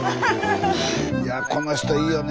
この人いいよね